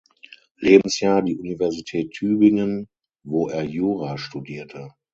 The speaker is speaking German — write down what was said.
Lebensjahr die Universität Tübingen, wo er Jura studierte.